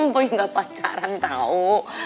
boy gak pacaran tau